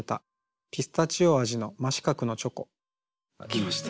きました。